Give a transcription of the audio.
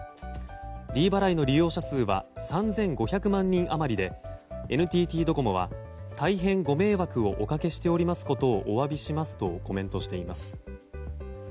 ｄ払いの利用者数は３５００万人余りでＮＴＴドコモは大変ご迷惑をおかけしておりますことをお詫びしますとコメントしています。